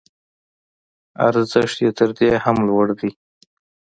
ارزښت یې تر دې هم لوړ دی.